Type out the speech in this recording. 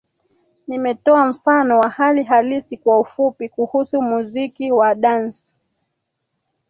Nimetoa mfano wa hali halisi kwa ufupi kuhusu muziki wa dansi